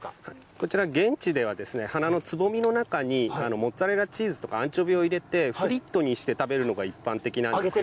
こちら、現地では花のつぼみの中にモッツァレラチーズとかアンチョビを入れて、フリットにして食べるのが一般的なんですけれども。